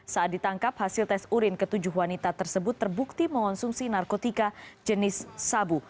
saat ditangkap hasil tes urin ketujuh wanita tersebut terbukti mengonsumsi narkotika jenis sabu